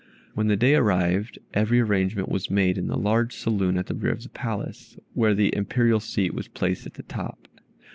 When the day arrived every arrangement was made in the large saloon at the rear of the Palace, where the Imperial seat was placed at the top.